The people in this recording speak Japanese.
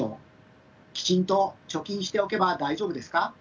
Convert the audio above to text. きちんと貯金しておけば大丈夫ですか？